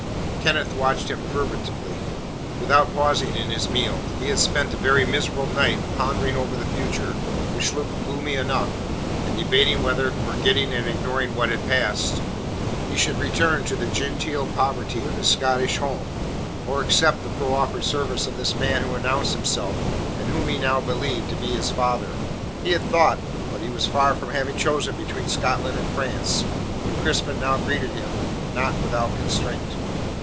Kenneth watched him furtively, without pausing in his meal. He had spent a very miserable night pondering over the future, which looked gloomy enough, and debating whether forgetting and ignoring what had passed he should return to the genteel poverty of his Scottish home, or accept the proffered service of this man who announced himself and whom he now believed to be his father. He had thought, but he was far from having chosen between Scotland and France, when Crispin now greeted him, not without constraint.